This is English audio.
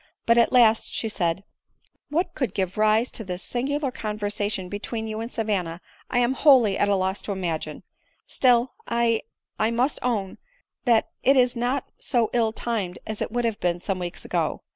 But at last she said, " what could give rise to this singular conversation between you and Savanna I am wholly at a loss to imagine ; still I — I must own that it is not so ill tiihed as it would have been some weeks ago.